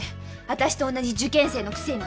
私と同じ受験生のくせに！